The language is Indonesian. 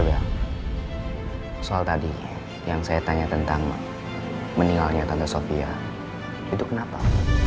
oh iya bel soal tadi yang saya tanya tentang meninggalnya tante sofia itu kenapa